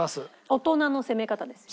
大人の攻め方ですよ。